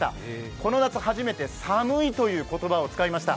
この夏初めて寒いという言葉を使いました。